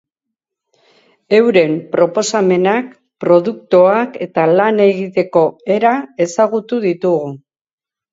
Euren proposamenak, produktuak eta lan egiteko era ezagutu ditugu.